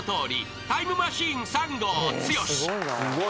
［タイムマシーン３号強し］